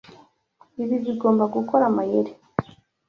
Ibi bigomba gukora amayeri.